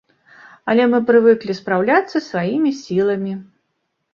Але мы прывыклі спраўляцца сваімі сіламі.